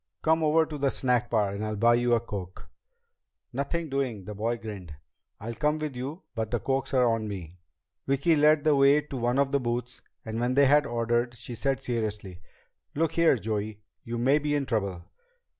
"Come over to the snack bar and I'll buy you a coke." "Nothing doing!" The boy grinned. "I'll come with you, but the cokes are on me." Vicki led the way to one of the booths, and when they had ordered, she said seriously, "Look here, Joey. You may be in trouble."